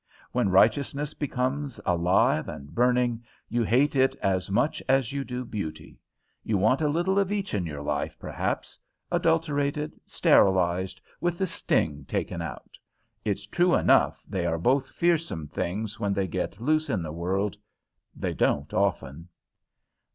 When righteousness becomes alive and burning, you hate it as much as you do beauty. You want a little of each in your life, perhaps adulterated, sterilized, with the sting taken out. It's true enough they are both fearsome things when they get loose in the world; they don't, often."